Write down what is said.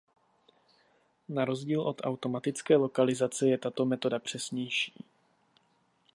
Na rozdíl od automatické lokalizace je tato metoda přesnější.